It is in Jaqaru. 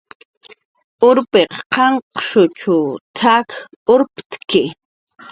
"Urpiq qanqshuch t""ak urpt'ku"